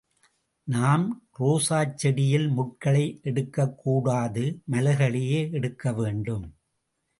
நாம் ரோசாச் செடியில் முட்களை எடுக்கக் கூடாது மலர்களையே எடுக்க வேண்டும்.